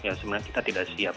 yang sebenarnya kita tidak siap